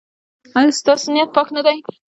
ایا ستاسو نیت پاک نه دی؟